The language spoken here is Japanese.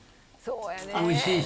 おいしいし。